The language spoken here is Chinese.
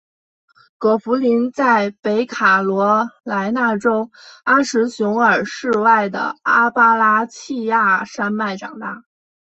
葛福临在北卡罗来纳州阿什维尔市外的阿巴拉契亚山脉长大。